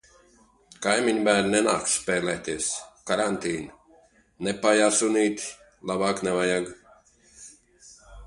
Kaimiņu bērni nenāks spēlēties. Karantīna. Nepaijā sunīti. Labāk nevajag.